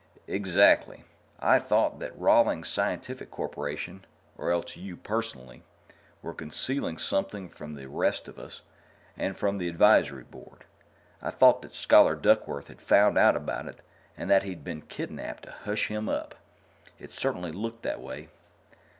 "Exactly. I thought that Rawlings Scientific Corporation or else you, personally were concealing something from the rest of us and from the Advisory Board. I thought that Scholar Duckworth had found out about it and that he'd been kidnaped to hush him up. It certainly looked that way."